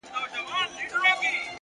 اوس هم په جار وايم كندهار راته وساته.!